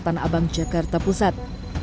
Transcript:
di sabang jakarta pusat